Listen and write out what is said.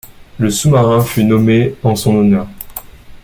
Le sous-marin fut nommé en son honneur.